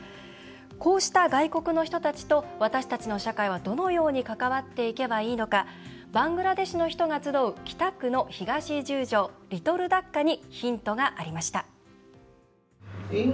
こうした外国の人たちと私たちの社会はどのように関わっていけばいいのかバングラデシュの人が集う北区の東十条、リトル・ダッカにヒントがありました。